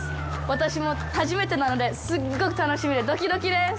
私も初めてなのですっごく楽しみでどきどきです。